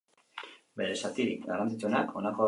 Bere zatirik garrantzitsuenak honako hauek dira.